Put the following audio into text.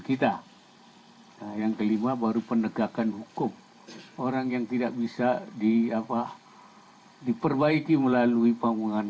kita yang kelima baru penegakan hukum orang yang tidak bisa diapa diperbaiki melalui panggungan